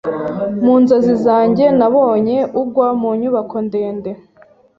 Mu nzozi zanjye, nabonye ugwa mu nyubako ndende.